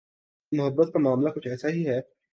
محبت کا معاملہ کچھ ایسا ہی ہے۔